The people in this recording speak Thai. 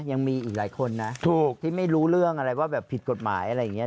ยังมีอีกหลายคนนะถูกที่ไม่รู้เรื่องอะไรว่าแบบผิดกฎหมายอะไรอย่างนี้